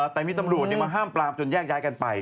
แต่มีตำรวจมาห้ามปลามจนแยกย้ายกันไป